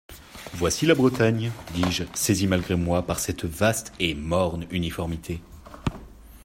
«Voici la Bretagne ! dis-je, saisi malgré moi par cette vaste et morne uniformité.